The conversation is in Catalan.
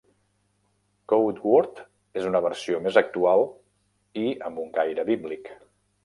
CodeWord és una versió més actual i amb un caire bíblic.